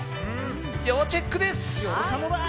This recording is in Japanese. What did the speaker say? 要チェックです！